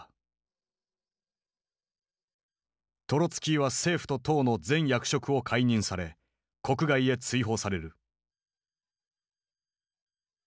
トロツキーは政府と党の全役職を解任され国外へ追放される。